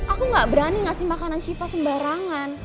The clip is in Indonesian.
aku gak berani ngasih makanan shipa sembarangan